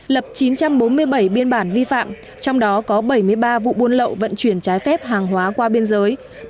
lập chín trăm bốn mươi bảy biên bản vi phạm trong đó có bảy mươi ba vụ buôn lậu vận chuyển trái phép hàng hóa qua biên giới